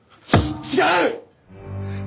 違う！